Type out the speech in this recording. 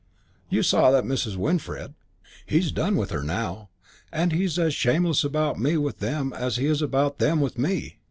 You saw that Mrs. Winfred. He's done with her now. And he's as shameless about me with them as he is about them with me.